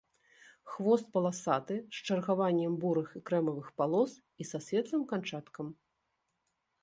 Хвост паласаты з чаргаваннем бурых і крэмавых палос і са светлым канчаткам.